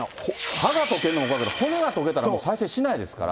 歯が溶けるのは分かるけど、骨が溶けたら再生しないですから。